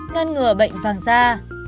ngăn ngừa bệnh vang da